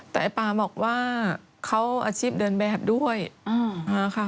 แต่ไอ้ป๊าบอกว่าเขาอาชีพเดินแบบด้วยค่ะ